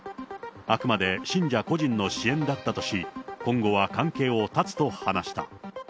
あくまで信者個人の支援だったとし、今後は関係を断つと話した。